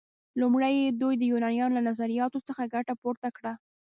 لومړی دوی د یونانیانو له نظریاتو څخه ګټه پورته کړه.